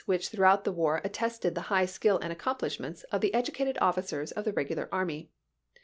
which throughout the war attested the high skill and accomplishments of the educated officers of the regular army.